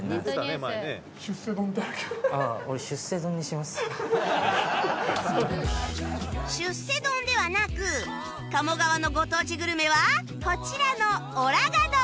ネットニュース」出世丼ではなく鴨川のご当地グルメはこちらのおらが丼